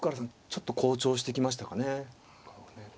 ちょっと紅潮してきましたかね顔がね。